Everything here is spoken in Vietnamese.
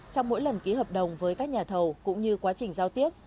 trong mỗi lần ký hợp đồng với các nhà thầu cũng như quá trình giao tiếp